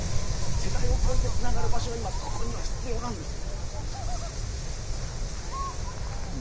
世代を超えてつながる場所が今ここには必要なんです。